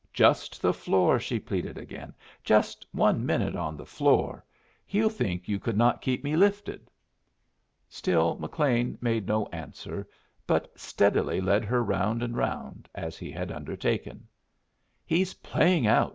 "Just the floor," she pleaded again. "Just one minute on the floor. He'll think you could not keep me lifted." Still McLean made no answer, but steadily led her round and round, as he had undertaken. "He's playing out!"